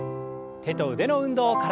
手と腕の運動から。